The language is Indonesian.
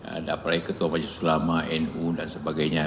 ada apalagi ketua maju selama nu dan sebagainya